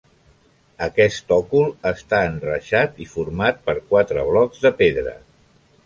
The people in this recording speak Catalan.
Aquest òcul està enreixat i format per quatre blocs de pedra.